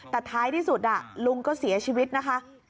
แต่ท้ายที่สุดลุงก็เสียชีวิตนะคะ